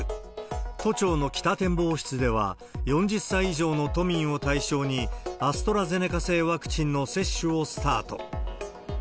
都庁の北展望室では、４０歳以上の都民を対象に、アストラゼネカ製ワクチンの接種をスタート。